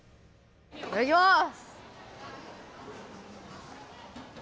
いただきます！